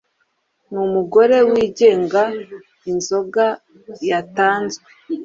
Numugore wigenga inzoga yatanzwe